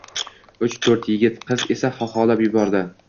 Uch-to’rt yigit-qiz esa xoxolab yubordi.